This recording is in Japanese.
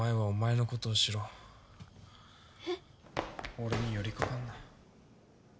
・俺に寄り掛かんな。